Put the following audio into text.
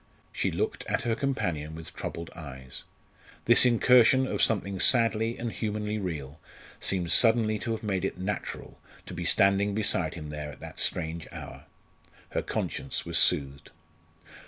She looked at her companion with troubled eyes. This incursion of something sadly and humanly real seemed suddenly to have made it natural to be standing beside him there at that strange hour. Her conscience was soothed.